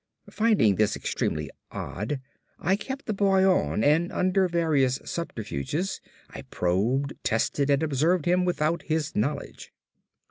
Finding this extremely odd, I kept the boy on and under various subterfuges I probed, tested and observed him without his knowledge.